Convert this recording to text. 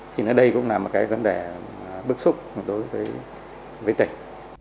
thì đây cũng là một cái vấn đề bức xúc đối với tỉnh